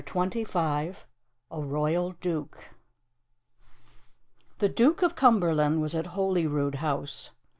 CHAPTER XXV A ROYAL DUKE THE Duke of Cumberland was at Holyrood House.